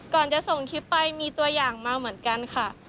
ก่อนจะส่งคลิปไปมีตัวอย่างมาเหมือนกันค่ะ